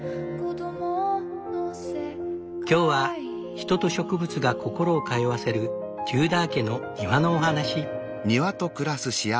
今日は人と植物が心を通わせるテューダー家の庭のお話。